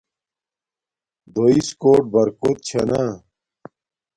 دݸئس کݸٹ بَرکݸت چھݳ نݳ.